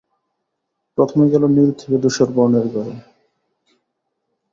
প্রথমে গেল নীল থেকে ধূসর বর্ণের ঘরে।